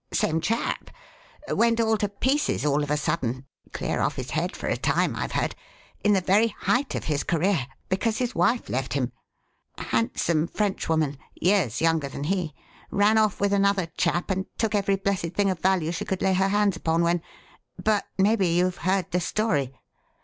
"Same chap. Went all to pieces all of a sudden clear off his head for a time, I've heard in the very height of his career, because his wife left him. Handsome French woman years younger than he ran off with another chap and took every blessed thing of value she could lay her hands upon when but maybe you've heard the story?"